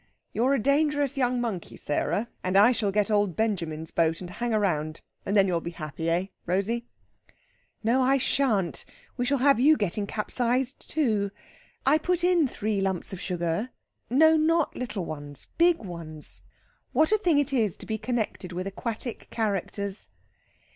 You're a dangerous young monkey, Sarah; and I shall get old Benjamin's boat, and hang about. And then you'll be happy, Rosey, eh?" "No, I shan't! We shall have you getting capsized, too. (I put in three lumps of sugar.... No, not little ones big ones!) What a thing it is to be connected with aquatic characters!"